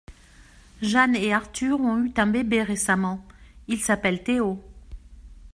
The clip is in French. Jeanne et Arthur ont eu un bébé récemment, il s’appelle Théo.